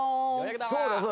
そうだそうだ！